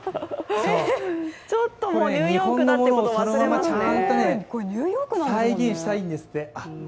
ちょっともう、ニューヨークだってことを忘れちゃいますね。